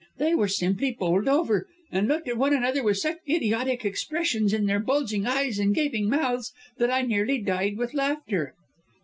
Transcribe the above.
"They were simply bowled over, and looked at one another with such idiotic expressions in their bulging eyes and gaping mouths, that I nearly died with laughter."